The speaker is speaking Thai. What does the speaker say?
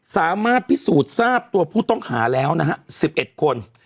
สามารถพิสูจน์ทราบตัวผู้ต้องหาแล้วนะฮะ๑๑คน